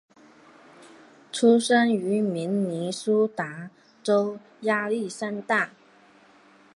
出生于明尼苏达州亚历山大。